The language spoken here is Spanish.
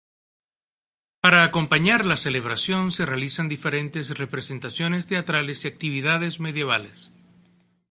Para acompañar la celebración se realizan diferentes representaciones teatrales y actividades medievales.